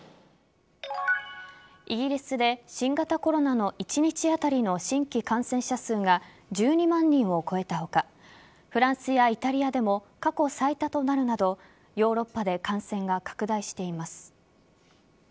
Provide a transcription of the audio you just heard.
イギリスで新型コロナの１日当たりの新規感染者数が１２万人を超えた他フランスやイタリアでも過去最多となるなどヨーロッパで感染が拡大しています。